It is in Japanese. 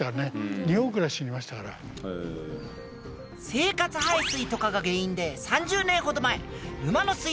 生活排水とかが原因で３０年ほど前沼の水質が悪化。